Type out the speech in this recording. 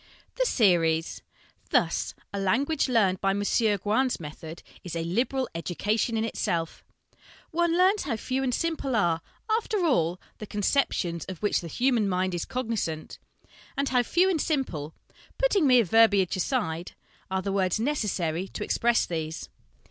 The 'Series.' Thus, a language learned by M. Gouin's method is ' a liberal education in itself/ One learns how few and simple are, after all, the concep tions of which the human mind is cognisant, and how few and simple, putting mere verbiage aside, are the words necessary to express these.